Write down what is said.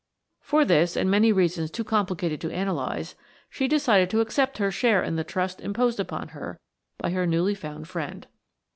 For this, and many reasons too complicated to analyse, she decided to accept her share in the trust imposed upon her by her newly found friend.